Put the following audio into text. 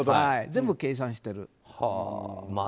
全部計算してる。